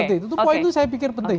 itu saya pikir penting